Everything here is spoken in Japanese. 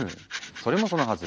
それもそのはず